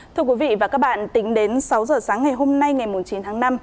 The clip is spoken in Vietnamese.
thưa quý vị và các bạn tính đến sáu giờ sáng ngày hôm nay ngày chín tháng năm